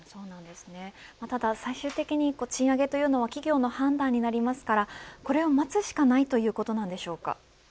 ただ最終的に賃上げというのは企業の判断になりますからこれを待つしかないということですか。